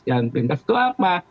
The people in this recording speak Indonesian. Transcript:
jalan pintas itu apa